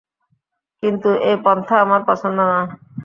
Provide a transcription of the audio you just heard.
কিন্তু এ পন্থা আমার পছন্দ নয়।